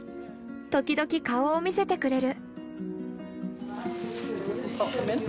時々顔を見せてくれる。